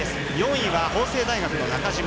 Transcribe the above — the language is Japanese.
４位は法政大学の中島。